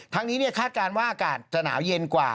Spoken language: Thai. ทั้งนี้คาดการณ์ว่าอากาศจะหนาวเย็นกว่า